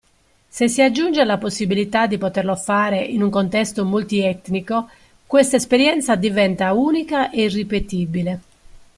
Se si aggiunge la possibilità di poterlo fare in un contesto multietnico, questa esperienza diventa unica e irripetibile.